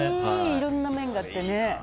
いろんな麺があってね。